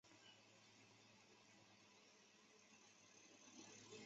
奥利夫镇区为美国堪萨斯州第开特县辖下的镇区。